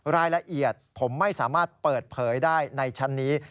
รายละเอียดผมไม่สามารถเปิดเผยได้ในชั้นนี้